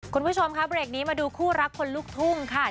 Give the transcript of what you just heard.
คุณผู้ชมครับเบรกนี้มาดูคู่รักคนลูกทุ่งค่ะ